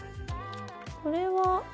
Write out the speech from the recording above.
これは？